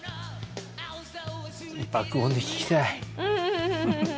爆音で聴きたい。